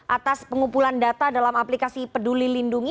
atas pengumpulan data dalam aplikasi peduli lindungi